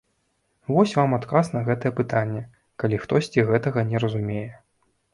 Вось вам адказ на гэтае пытанне, калі хтосьці гэтага не разумее.